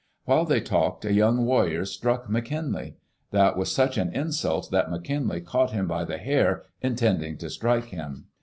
While they talked, a young warrior struck McKinlay. That was such an insult that McKinlay caught him by the hair, intending to strike him.